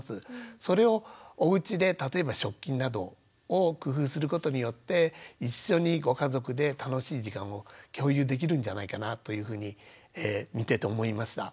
それをおうちで例えば食器などを工夫することによって一緒にご家族で楽しい時間を共有できるんじゃないかなというふうに見てて思いました。